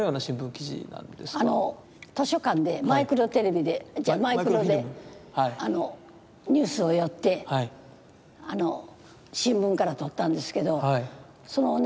図書館でマイクロテレビで違うマイクロでニュースをよって新聞から取ったんですけどそのね